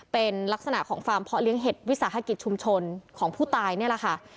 เป็นลักษณะของฟาร์มเพาะเลี้ยเห็ดวิสาหกิจชุมชนของผู้ตายนี่แหละค่ะ